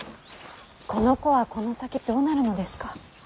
この子はこの先どうなるのですか。